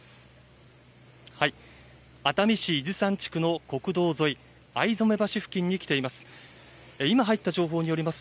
熱海市伊豆山地区の国道沿い、逢初橋付近に来ています。